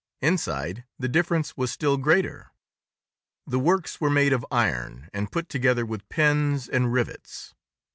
Inside, the difference was still greater. The works were made of iron and put together with pins and rivets.